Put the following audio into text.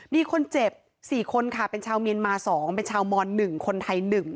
มีคนเจ็บ๔คนค่ะเป็นชาวเมียนมา๒เป็นชาวมอน๑คนไทย๑